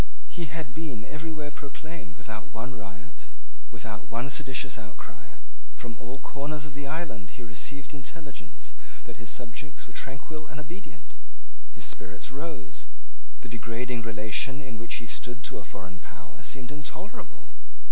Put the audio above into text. He had been everywhere proclaimed without one riot, without one seditions outcry. From all corners of the island he received intelligence that his subjects were tranquil and obedient. His spirit rose. The degrading relation in which he stood to a foreign power seemed intolerable.